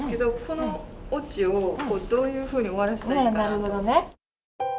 なるほどね。